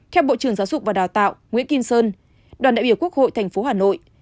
theo bộ trưởng giáo dục và đào tạo nguyễn kim sơn đoàn đại biểu quốc hội thành phố hà nội